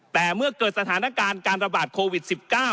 แต่เมื่อเกิดสถานการณ์การระบาดโควิด๑๙